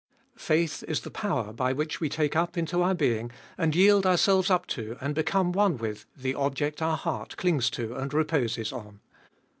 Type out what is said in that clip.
Faith is the power by which we take up into our being, and yield ourselves up to and become one with the object our heart clings to and reposes on.